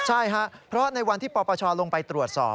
ใช่ครับเพราะในวันที่ปปชลงไปตรวจสอบ